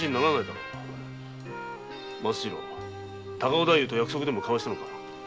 松次郎高尾太夫と約束でもしたのか？